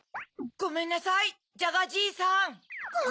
ごめんなさい！